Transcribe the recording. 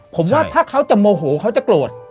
ผมว่าถ้าเขาจะโมโหเขาจะโกรธ